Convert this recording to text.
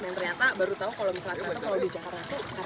dan ternyata baru tahu kalau misalnya aku berada di jakarta